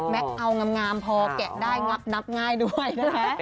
เอางามพอแกะได้งับง่ายด้วยนะคะ